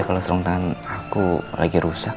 kalau serung tangan aku lagi rusak